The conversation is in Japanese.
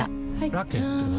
ラケットは？